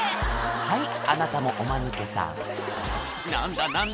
はいあなたもおマヌケさん何だ何だ？